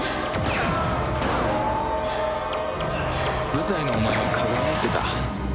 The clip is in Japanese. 舞台のお前は輝いてた。